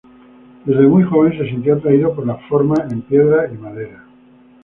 Desde muy joven se sintió atraído por las formas en piedra y madera.